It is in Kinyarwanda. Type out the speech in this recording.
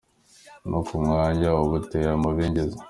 No ku manywa uba uteye amabengeza.